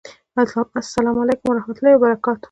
اسلام اعلیکم ورحمت الله وبرکاته